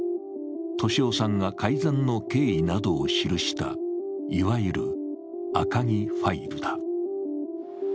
俊夫さんが改ざんの経緯などを記した、いわゆる赤木ファイルだ。